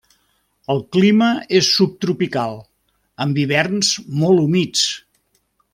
El clima és subtropical, amb hiverns molt humits.